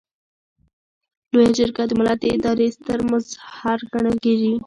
لویه جرګه د ملت د ادارې ستر مظهر ګڼل کیږي.